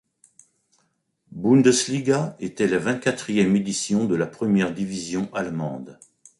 Bundesliga était la vingt-quatrième édition de la première division allemande.